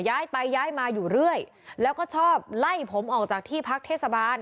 ย้ายไปย้ายมาอยู่เรื่อยแล้วก็ชอบไล่ผมออกจากที่พักเทศบาล